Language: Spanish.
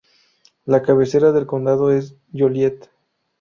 La cabecera del condado es Joliet.